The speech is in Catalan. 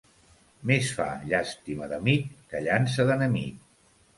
Més fa llàstima d'amic que llança d'enemic.